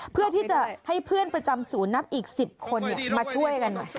เพื่อที่จะให้เพื่อนประจำศูนย์นับอีก๑๐คนมาช่วยกันหน่อย